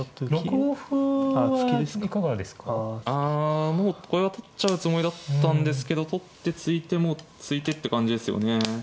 あもうこれは取っちゃうつもりだったんですけど取って突いてもう突いてって感じですよね。